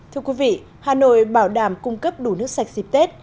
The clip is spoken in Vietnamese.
thưa quý vị hà nội bảo đảm cung cấp đủ nước sạch dịp tết